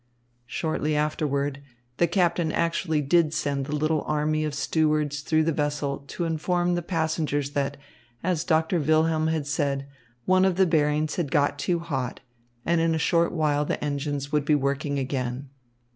Shortly afterward, the captain actually did send the little army of stewards through the vessel to inform the passengers that, as Doctor Wilhelm had said, one of the bearings had got too hot, and in a short while the engines would be working again.